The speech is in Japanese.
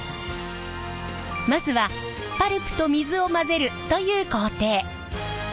まずはパルプと水を混ぜるという工程。